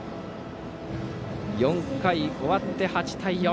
４回終わって８対４。